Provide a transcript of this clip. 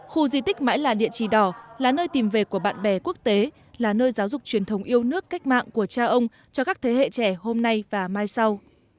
khu di tích mãi là địa chỉ đỏ là nơi tìm về của bạn bè quốc tế là nơi giáo dục truyền thống yêu nước cách mạng của cha ông cho các thế hệ trẻ hôm nay và mai sau